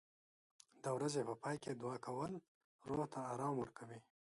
د ورځې په پای کې دعا کول روح ته آرام ورکوي.